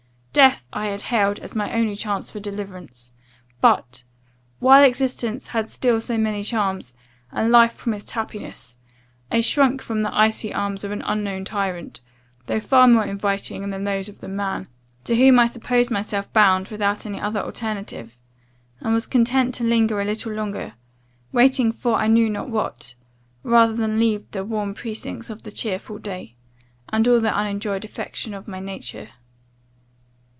Death I had hailed as my only chance for deliverance; but, while existence had still so many charms, and life promised happiness, I shrunk from the icy arms of an unknown tyrant, though far more inviting than those of the man, to whom I supposed myself bound without any other alternative; and was content to linger a little longer, waiting for I knew not what, rather than leave 'the warm precincts of the cheerful day,' and all the unenjoyed affection of my nature.